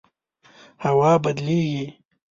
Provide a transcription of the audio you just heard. هوا بدلیږي